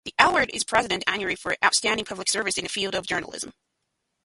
The award is presented annually for "outstanding public service in the field of journalism".